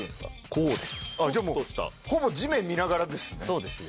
じゃあもう、ほぼ地面見ながらですね。